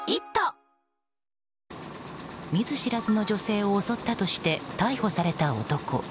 見ず知らずの女性を襲ったとして逮捕された男。